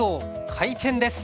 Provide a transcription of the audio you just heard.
開店です。